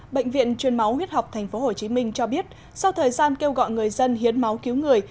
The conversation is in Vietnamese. bệnh viện chuyên máu huyết học tp hcm cho biết sau thời gian kêu gọi người dân hiến máu cứu người